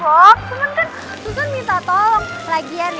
cuman kan susan minta tolong lagian ya